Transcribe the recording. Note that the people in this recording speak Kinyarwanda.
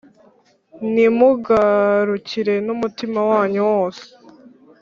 nimungarukire n’umutima wanyu wose,